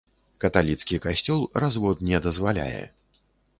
Каталіцкі касцёл развод не дазваляе.